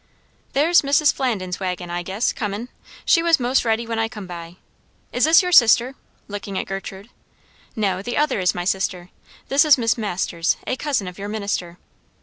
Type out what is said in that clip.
"There's Mrs. Flandin's waggin, I guess, comin'; she was 'most ready when I come by. Is this your sister?" looking at Gertrude. "No, the other is my sister. This is Miss Masters; a cousin of your minister."